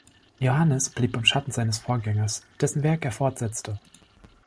Johannes blieb im Schatten seines Vorgängers, dessen Werk er fortsetzte.